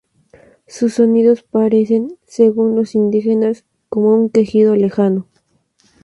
Sus sonidos parecen, según los indígenas, como un quejido lejano.